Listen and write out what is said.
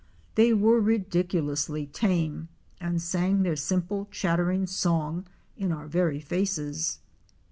They were ridiculously tame and sang their simple chattering song in our very faces.